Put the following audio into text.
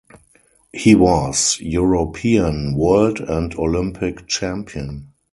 He was European, World and Olympic champion.